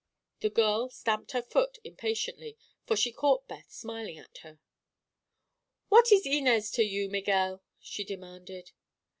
The girl stamped her foot impatiently, for she caught Beth smiling at her. "What is Inez to you, Miguel?" she demanded.